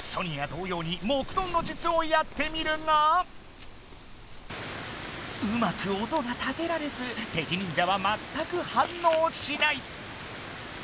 ソニア同様に木遁の術をやってみるがうまく音が立てられず敵忍者はまったく反応しない。